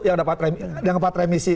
yang dapat remisi